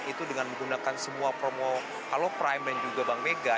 itu dengan menggunakan semua promo aloprime dan juga bank mega